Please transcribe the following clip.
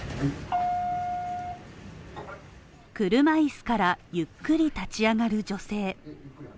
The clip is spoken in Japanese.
車椅子から、ゆっくり立ち上がる女性。